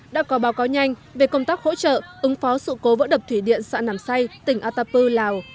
đã có báo cáo nhanh về công tác hỗ trợ ứng phó sự cố vỡ đập thủy điện xã nàm xay tỉnh atapu lào